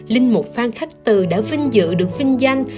linh mục phan khắc từ đã vinh dự được vinh danh